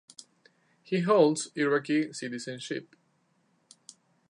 He holds Iraqi citizenship.